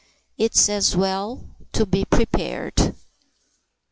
It's as well to be prepared."